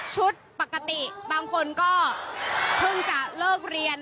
ปกติบางคนก็เพิ่งจะเลิกเรียน